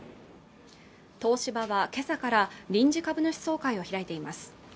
東芝はけさから臨時株主総会を開いています